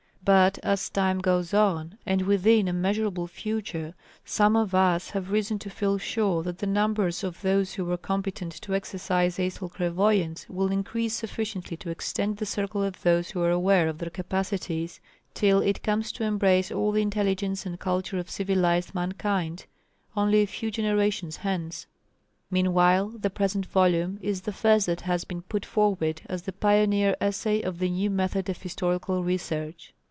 But as time goes on, and within a measurable future, some of us have reason to feel sure that the numbers of those who are competent to exercise astral clairvoyance will increase sufficiently to extend the circle of those who are aware of their capacities, till it comes to embrace all the intelligence and culture of civilised mankind only a few generations hence. Meanwhile the present volume is the first that has been put forward as the pioneer essay of the new method of historical research.